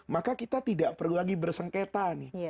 maka kita tidak perlu lagi bersengketa nih